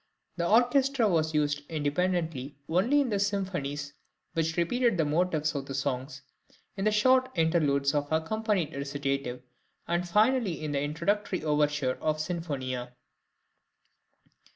The orchestra was used independently only in the symphonies which repeated the motifs of the songs, in the short interludes of accompanied recitative, and finally in the introductory overture or sinfonia.